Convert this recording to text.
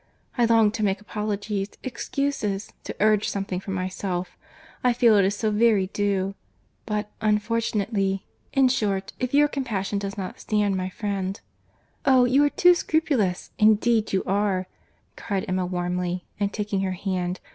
I long to make apologies, excuses, to urge something for myself. I feel it so very due. But, unfortunately—in short, if your compassion does not stand my friend—" "Oh! you are too scrupulous, indeed you are," cried Emma warmly, and taking her hand.